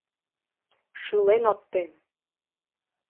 Шӱлен от тем!